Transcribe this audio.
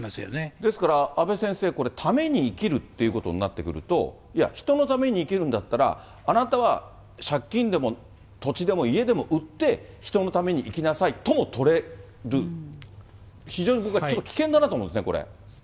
ですから、阿部先生、これ、ために生きるっていうことになってくると、人のために生きるんだったら、あなたは借金でも土地でも家でも売って、人のために生きなさいとも取れる、非常に僕は危険だなと思うんです